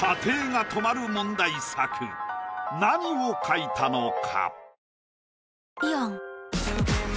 何を描いたのか？